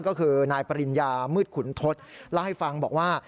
ก็คือนายปริญญามืดขุนทศเล่าให้ฟังบอกว่า